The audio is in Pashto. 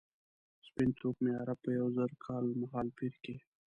سپین توکمي عرب په یو زر کال مهالپېر کې.